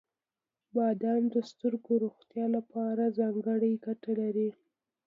• بادام د سترګو روغتیا لپاره ځانګړې ګټه لري.